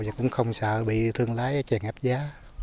và cũng không sợ bị thương lái tràn áp giá